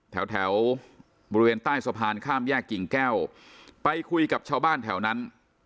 แถวแถวบริเวณใต้สะพานข้ามแยกกิ่งแก้วไปคุยกับชาวบ้านแถวนั้น